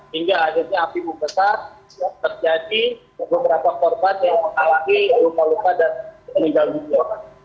hingga akhirnya api membesar terjadi beberapa korban yang mengalami lupa lupa dan meninggal di depo